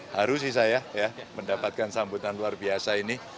haru sih saya mendapatkan sambutan luar biasa ini